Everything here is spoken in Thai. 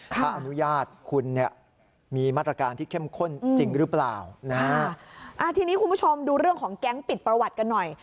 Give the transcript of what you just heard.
ทีนี้คุณผู้ชมดูเรื่องของแก๊งปิดประวัติกันหน่อย